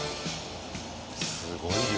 すごいよ。